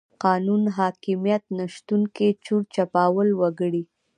قانون حاکميت نشتون کې چور چپاول وکړي.